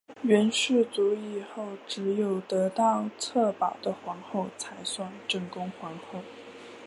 元世祖以后只有得到策宝的皇后才算正宫皇后。